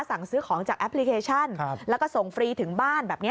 สั่งซื้อของจากแอปพลิเคชันแล้วก็ส่งฟรีถึงบ้านแบบนี้